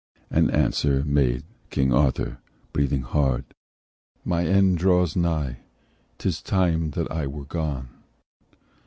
And answer made King Arthur, breathing hard: "My end draws nigh; 'tis time that I were gone.